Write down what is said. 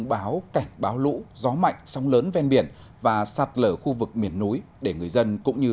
báo cảnh báo lũ gió mạnh sóng lớn ven biển và sạt lở khu vực miền núi để người dân cũng như